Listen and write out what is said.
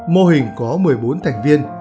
mô hình có một mươi bốn thành viên